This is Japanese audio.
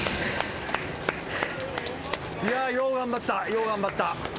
よう頑張ったよう頑張った！